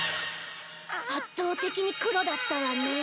圧倒的に黒だったわね。